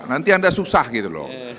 nanti anda susah gitu loh